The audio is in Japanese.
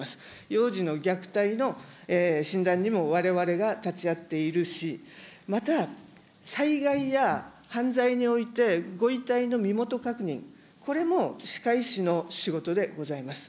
幼児の虐待の診断にもわれわれが立ち会っているし、また、災害や犯罪において、ご遺体の身元確認、これも歯科医師の仕事でございます。